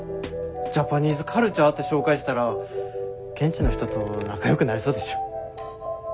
ジャパニーズカルチャーって紹介したら現地の人と仲よくなれそうでしょ？